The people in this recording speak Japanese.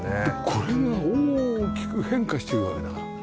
これが大きく変化していくわけだから。